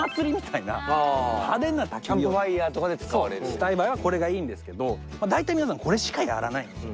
したい場合はこれがいいんですけど大体皆さんこれしかやらないんです。